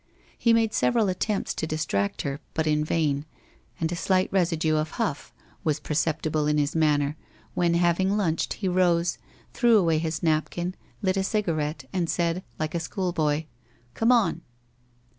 He made several attempts to dis tract her, but in vain, and a slight residue of huff was perceptible in his manner when having lunched he rose, threw away his napkin, lit a cigarette, and said, like a schoolboy, ' Come on.'